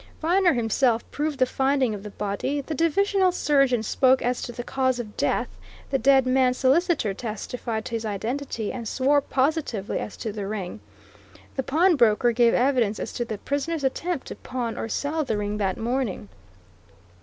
Viner himself proved the finding of the body; the divisional surgeon spoke as to the cause of death; the dead man's solicitor testified to his identity and swore positively as to the ring; the pawnbroker gave evidence as to the prisoner's attempt to pawn or sell the ring that morning.